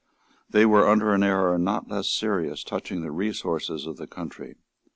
They were under an error not less serious touching the resources of the country.